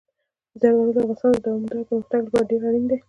زردالو د افغانستان د دوامداره پرمختګ لپاره ډېر اړین دي.